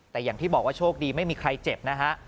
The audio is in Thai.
แต่อย่างที่บอกว่าโชคดีไม่มีใครเจ็บนะฮะ